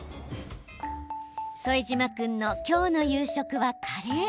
副島君の今日の夕食はカレー。